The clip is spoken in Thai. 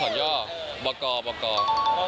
ออกการแล้วอวการ